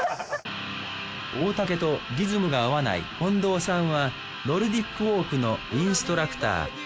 大竹とリズムが合わない近藤さんはノルディック・ウォークのインストラクター。